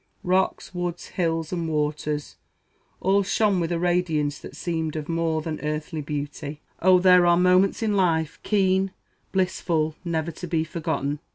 Rocks, woods, hills, and waters, all shone with a radiance that seemed of more than earthly beauty. "Oh, there are moments in life, keen, blissful, never to be forgotten!"